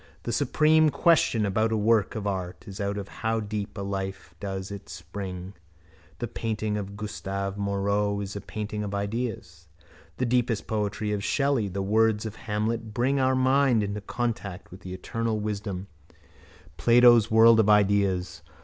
The supreme question about a work of art is out of how deep a life does it spring. The painting of Gustave Moreau is the painting of ideas. The deepest poetry of Shelley, the words of Hamlet bring our minds into contact with the eternal wisdom, Plato's world of ideas.